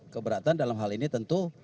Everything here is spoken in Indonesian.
keberatan dalam hal ini tentu